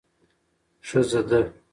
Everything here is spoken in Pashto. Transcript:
ښځه ده.